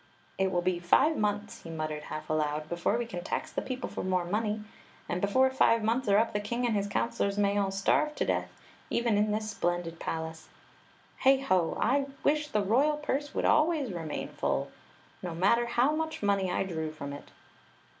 " It will be five months," he muttered half aloud, "before we can tax the people for more money; and before five months are up the king and his counselors may all starve to death — eyen in this splendid pal ace! Heigh ho! I wish the royal purse would always remain full, no matter how much money I drew from it!"